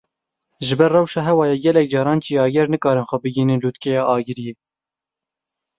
Ji ber rewşa hewayê gelek caran çiyager nikarin xwe bigihînin lûtkeya Agiriyê.